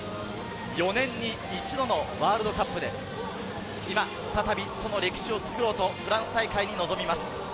４年に一度のワールドカップで、今、再びその歴史を作ろうと、フランス大会に臨みます。